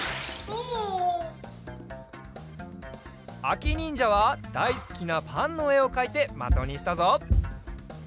あきにんじゃはだいすきなパンのえをかいてまとにしたぞ。